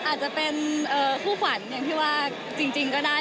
อาจจะเป็นคู่ขวัญอย่างที่ว่าจริงก็ได้